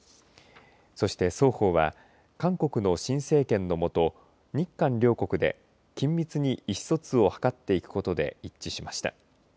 そして、双方は韓国の新政権の下日韓両国で緊密に意思疎通を図っていくことで一致しました。